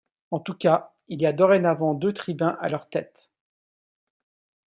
En tout cas, il y a dorénavant deux tribuns à leurs têtes.